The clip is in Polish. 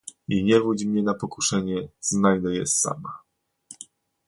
"i nie wódź mnie na pokuszenie, znajdę je sama"